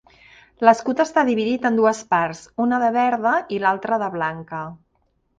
L'escut està dividit en dues parts, una de verda i l'alta de blanca.